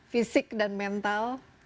fisik dan mental